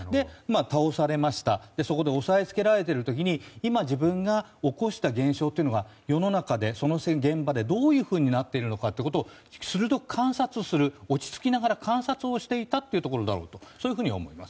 倒されました、そこで押さえつけられている時に今、自分が起こした現象が世の中、現場でどうなっているか鋭く観察する、落ち着きながら観察していたと思います。